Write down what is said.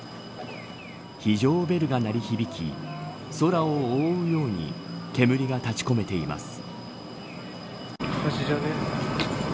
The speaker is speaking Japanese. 非常ベルが鳴り響き空を覆うように煙が立ち込めています。